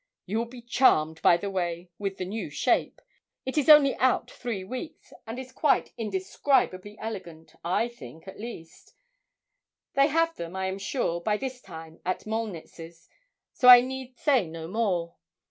You will be charmed, by the by, with the new shape it is only out three weeks, and is quite indescribably elegant, I think, at least. They have them, I am sure, by this time at Molnitz's, so I need say no more.